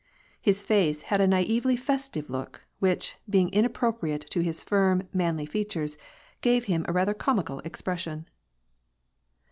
His face had a naively festive look^ which, being inappro priate to his firm, manly features, gave him a rather comical expression.